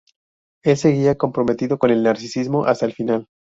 Él seguía comprometido con el nazismo hasta el final.